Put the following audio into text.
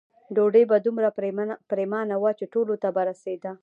ډوډۍ به دومره پریمانه وه چې ټولو ته به رسېده.